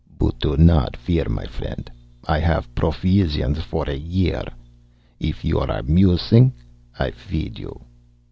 "But do not fear, my friendt! I haff profisions for a year. If you are amusing, I feed you.